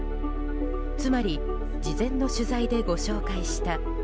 つまり事前の取材でご紹介した。